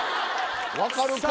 分かるか！